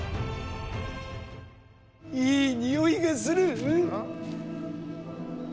いい匂いがする。